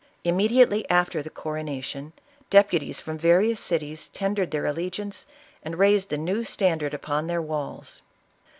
Immediately after the coronation, deputies from various cities tendered their allegiance and raised the new htundard upon their walls.